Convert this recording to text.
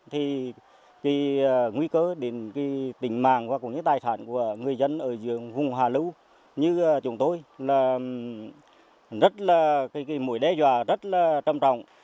thì nguy cơ đến tỉnh màng và tài sản của người dân ở vùng hà lũ như chúng tôi là mỗi đe dọa rất là trầm trọng